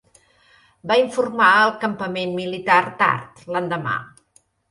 Va informar el campament militar tard l'endemà.